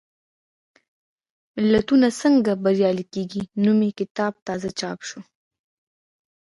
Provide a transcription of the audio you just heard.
ملتونه څنګه بریالي کېږي؟ نومي کتاب تازه چاپ شو.